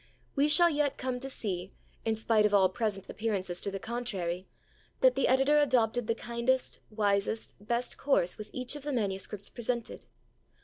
We shall yet come to see, in spite of all present appearances to the contrary, that the editor adopted the kindest, wisest, best course with each of the manuscripts presented.